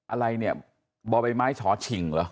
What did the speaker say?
อะไรเนี่ยบ่อใบไม้ฉอฉิงเหรอ